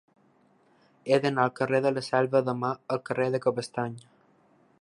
He d'anar del carrer de la Selva de Mar al carrer de Cabestany.